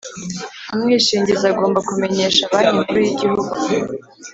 Umwishingizi agomba kumenyesha Banki Nkuru y’Igihugu